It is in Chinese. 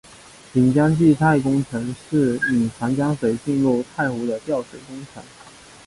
引江济太工程是引长江水进入太湖的调水工程。